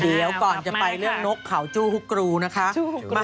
เดี๋ยวก่อนจะไปเรื่องนกเขาจุ๊กรูนะคะขอบคุณฮ่า